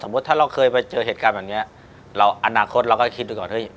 สมมุติถ้าเราเคยไปเจอเหตุการณ์แบบนี้อนาคตเราก็คิดด้วยก่อน